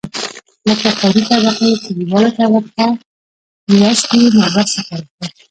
لکه ښاري طبقې، کليواله طبقه لوستې، نالوستې طبقې.